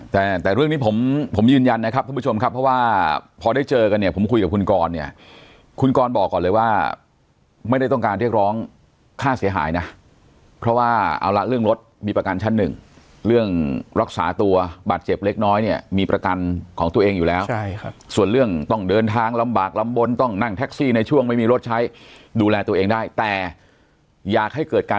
แต่เรื่องนี้ผมยืนยันนะครับทุกผู้ชมครับเพราะว่าพอได้เจอกันเนี่ยผมคุยกับคุณกรเนี่ยคุณกรบอกก่อนเลยว่าไม่ได้ต้องการเรียกร้องค่าเสียหายนะเพราะว่าเอาละเรื่องรถมีประกันชั้นหนึ่งเรื่องรักษาตัวบัตรเจ็บเล็กน้อยเนี่ยมีประกันของตัวเองอยู่แล้วส่วนเรื่องต้องเดินทางลำบากลำบนต้องนั่งแท็กซี่ในช่